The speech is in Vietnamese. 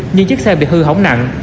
nhưng chiếc xe bị hư hỏng nặng